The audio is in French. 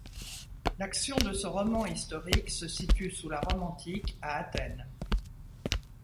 L'action de ce roman historique se situe sous la Rome antique, à Athènes.